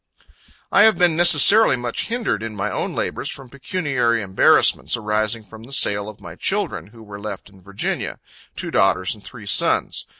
I have been necessarily much hindered in my own labors, from pecuniary embarrassments, arising from the sale of my children, who were left in Virginia two daughters and three sons.